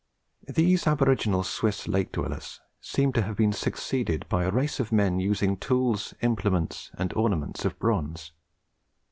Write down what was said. These aboriginal Swiss lake dwellers seem to have been succeeded by a race of men using tools, implements, and ornaments of bronze.